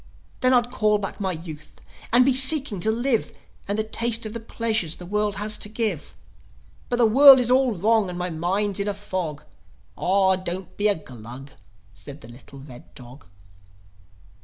Then I'd call back my youth, and be seeking to live, And to taste of the pleasures the world has to give. But the world is all wrong, and my mind's in a fog!" "Aw, don't be a Glug!" said the little red dog.